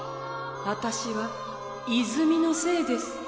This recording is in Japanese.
私は泉の精です。